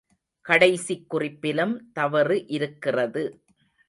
கடைசிக் குறிப்பிலும் தவறு இருக்கிறது.